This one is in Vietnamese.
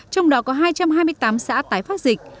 trong đó có hai trăm hai mươi tám xã tái phát dịch